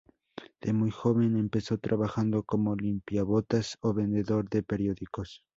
De muy joven empezó trabajando como limpiabotas o vendedor de periódicos.